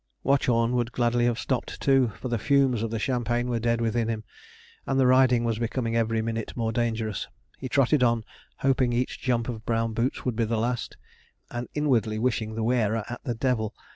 Watchorn would gladly have stopped too, for the fumes of the champagne were dead within him, and the riding was becoming every minute more dangerous. He trotted on, hoping each jump of brown boots would be the last, and inwardly wishing the wearer at the devil.